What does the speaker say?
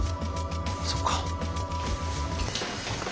そっか。